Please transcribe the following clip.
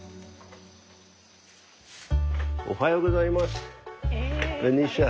おはようございますベニシア。